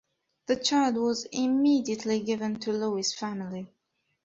The child was immediately given to Lawayss' family.